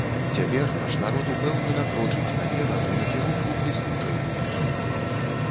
Цяпер наш народ упэўнена крочыць наперад у накірунку бліскучай будучыні.